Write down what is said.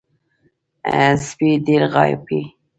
سپي ډېر غاپي .